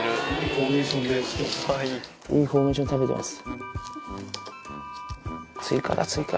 いいフォーメーションで食べてます。